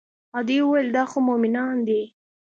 ادې وويل دا خو مومنان دي.